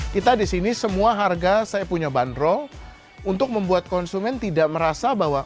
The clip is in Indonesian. kita di sini semua harga saya punya bandrol untuk membuat konsumen tidak merasa bahwa